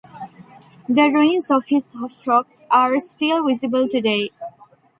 The ruins of his shops are still visible today.